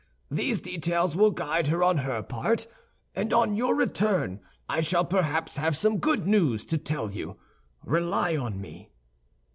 These details will guide her on her part, and on your return, I shall perhaps have some good news to tell you. Rely on me."